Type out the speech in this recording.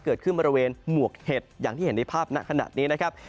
เกิดขึ้นบริเวณหมวกเห็ดอย่างที่เห็นในภาพณขณะนี้นะครับ